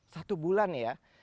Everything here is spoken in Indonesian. satu bulan ya